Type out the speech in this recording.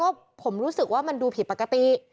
ก็บอกว่าก็ผมรู้สึกว่ามันดูผิดปกติ